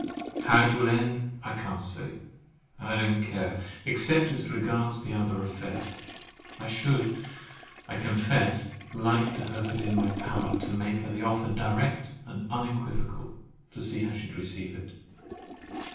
How it will end, I can't say; and don't care, except as it regards the other affair. I should, I confess, like to have it in my power to make her the offer direct and unequivocal, to see how she'd receive it.